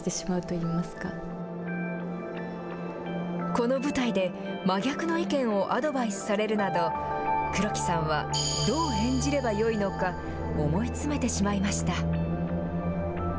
この舞台で、真逆の意見をアドバイスされるなど、黒木さんはどう演じればよいのか、思い詰めてしまいました。